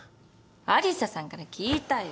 有沙さんから聞いたよ。